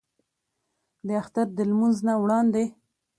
د اختر د لمونځ نه وړاندې